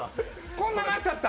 こんななっちゃった。